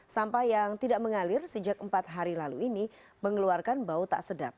sampah yang tidak mengalir sejak empat hari lalu ini mengeluarkan bau tak sedap